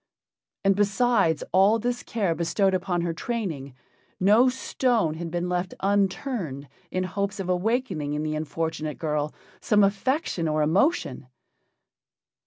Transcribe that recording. And besides all this care bestowed upon her training, no stone had been left unturned in hopes of awakening in the unfortunate girl some affection or emotion.